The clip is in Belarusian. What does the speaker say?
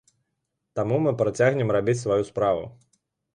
Таму мы працягнем рабіць сваю справу.